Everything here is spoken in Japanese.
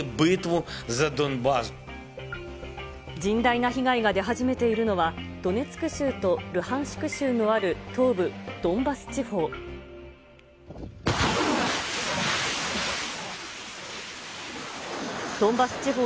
甚大な被害が出始めているのは、ドネツク州とルハンシク州のある東部ドンバス地方。